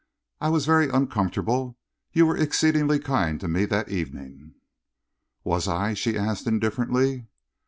I was very uncomfortable. You were exceedingly kind to me that evening." "Was I?" she asked indifferently.